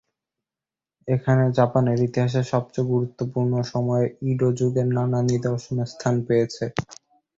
এখানে জাপানের ইতিহাসের সবচেয়ে গুরুত্বপূর্ণ সময় ইডো যুগের নানা নিদর্শন স্থান পেয়েছে।